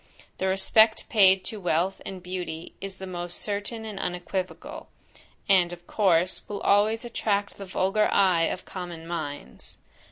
The respect paid to wealth and beauty is the most certain and unequivocal; and of course, will always attract the vulgar eye of common minds.